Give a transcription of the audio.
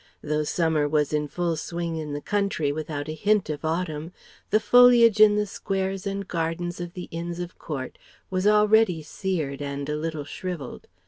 Though summer was in full swing in the country without a hint of autumn, the foliage in the squares and gardens of the Inns of Court was already seared and a little shrivelled.